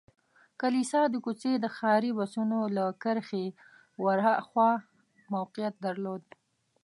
کلیسا د کوڅې د ښاري بسونو له کرښې ور هاخوا موقعیت درلود.